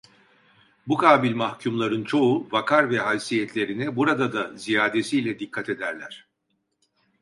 Bu kabil mahkumların çoğu, vakar ve haysiyetlerine burada da ziyadesiyle dikkat ederler.